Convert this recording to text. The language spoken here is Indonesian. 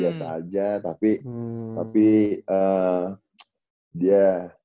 biasa aja tapi tapi dia